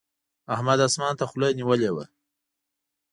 احمد اسمان ته خوله نيولې ده.